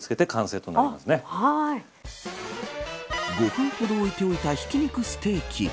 ５分ほど置いておいたひき肉ステーキ。